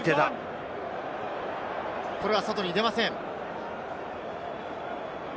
ここは外に出ません。